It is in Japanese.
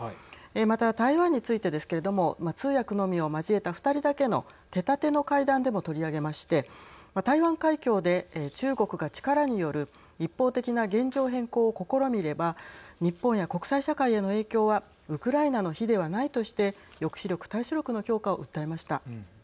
また台湾についてですけれども通訳のみを交えた２人だけのテタテの会談でも取り上げまして台湾海峡で、中国が力による一方的な現状変更を試みれば日本や国際社会への影響はウクライナの比ではないとして抑止力・対処力の強化を訴えました。